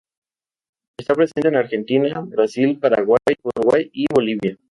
Está presente en Argentina, Brasil, Paraguay, Uruguay y Bolivia.